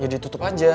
ya ditutup aja